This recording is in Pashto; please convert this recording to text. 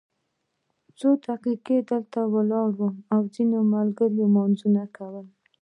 څو دقیقې دلته ولاړ وو او ځینو ملګرو لمونځونه کول.